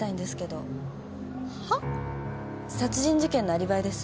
殺人事件のアリバイです。